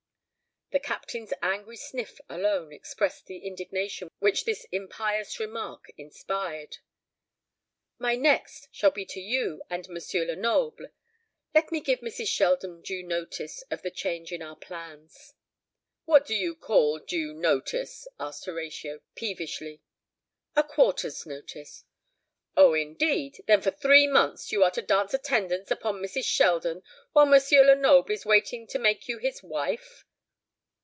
The Captain's angry sniff alone expressed the indignation which this impious remark inspired. "My next shall be to you and M. Lenoble. Let me give Mrs. Sheldon due notice of the change in our plans." "What do you call due notice?" asked Horatio, peevishly. "A quarter's notice." "O, indeed! Then for three months you are to dance attendance upon Mrs. Sheldon, while M. Lenoble is waiting to make you his wife."